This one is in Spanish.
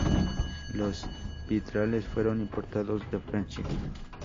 Los vitrales fueron importados de Francia.